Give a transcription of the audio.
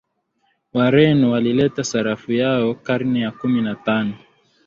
wareno walialeta sarafu yao karne ya kumi na tano